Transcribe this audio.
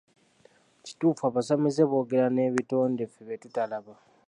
Kituufu abasamize boogera n'ebitonde ffe bye tutalaba?